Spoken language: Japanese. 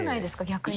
逆に。